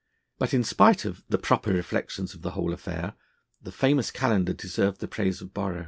But in spite of 'the proper reflections of the whole affair,' the famous Calendar deserved the praise of Borrow.